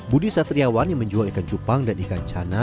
budi satriawan yang menjual ikan cupang dan ikan cana